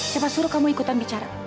siapa suruh kamu ikutan bicara